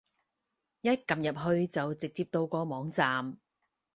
一撳入去就直接到個網站